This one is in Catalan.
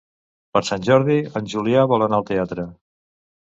Per Sant Jordi en Julià vol anar al teatre.